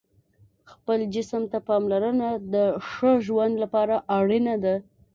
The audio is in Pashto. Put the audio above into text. خپل جسم ته پاملرنه د ښه ژوند لپاره اړینه ده.